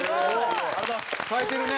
耐えてるね。